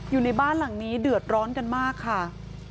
อยู่ในบ้านหลังนี้เดือดร้อนกันมากค่ะ